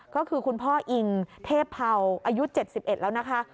ก็คือคุณพ่ออิงเทพเผาอายุ๗๑แล้วนะคะ